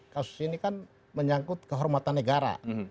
kasus ini kan menyangkut kehormatan negara